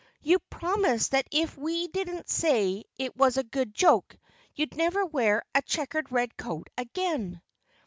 "You promised that if we didn't say it was a good joke you'd never wear a checkered red coat again."